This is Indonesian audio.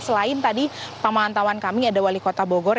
selain tadi pemantauan kami ada wali kota bogor